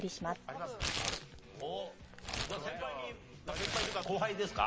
先輩というか後輩ですか？